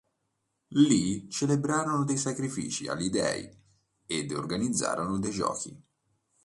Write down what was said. Lì celebrarono dei sacrifici agli dei ed organizzarono dei giochi.